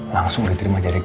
langsung diterima jadi direktur